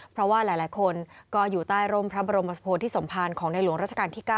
เพราะว่าหลายคนก็อยู่ใต้ร่มพระบรมศพโพธิสมภารของในหลวงราชการที่๙